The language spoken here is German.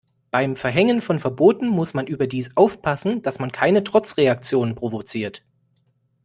Beim Verhängen von Verboten muss man überdies aufpassen, dass man keine Trotzreaktionen provoziert.